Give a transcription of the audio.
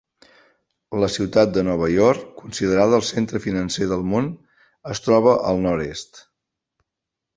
La ciutat de Nova York, considerada el centre financer del món, es troba al nord-est.